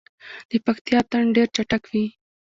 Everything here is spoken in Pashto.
د پکتیا اتن ډیر چټک وي.